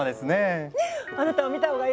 あなたも見た方がいいわよ。